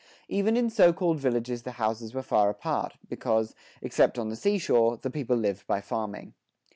... Even in so called villages the houses were far apart, because, except on the seashore, the people lived by farming.